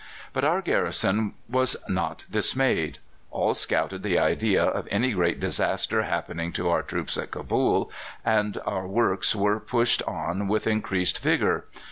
But our garrison was not dismayed. All scouted the idea of any great disaster happening to our troops at Cabul, and our works were pushed on with increased vigour.